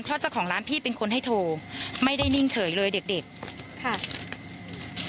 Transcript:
เพราะเจ้าของร้านพี่เป็นคนให้โทรไม่ได้นิ่งเฉยเลยเด็กเด็กค่ะ